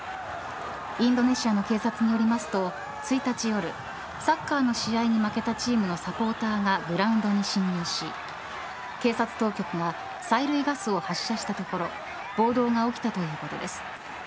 インドネシアの警察によりますと１日夜サッカーの試合に負けたチームのサポーターがグラウンドに侵入し警察当局が催涙ガスを発射したところ暴動が起きたということです。